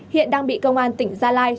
hiện đang bị công an tỉnh gia lai